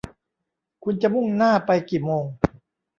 คุณจะมุ่งหน้าไปกี่โมง